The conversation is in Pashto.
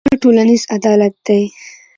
دا ټولنیز عدالت دی.